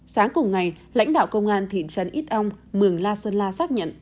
sáng cùng ngày lãnh đạo công an thị trấn ít ong mường la sơn la xác nhận